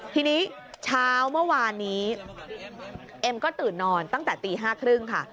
ทีนี้เช้าเมื่อวานนี้เอ็มก็ตื่นนอนตั้งแต่ตี๕๓๐ค่ะ